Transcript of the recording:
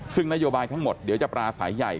ซึ่งนโยบายทั้งหมดเดี๋ยวจะปราศัยใหญ่